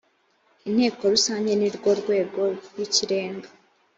inteko rusange ni rwo rwego rw’ikirenga.